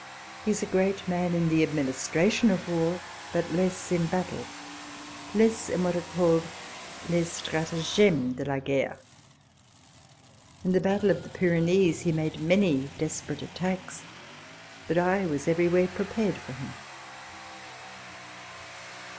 He is a great man in the administration of war ; but less in battle, less in what are called " les stratagemes de la guerre." In the battle of the Pyrenees he made many desperate attacks ; but I was every where prepared for him.